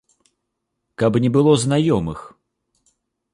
Каб не было знаёмых.